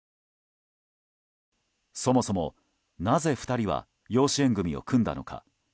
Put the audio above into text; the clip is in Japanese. そもそも、なぜ２人は養子縁組を組んだのか。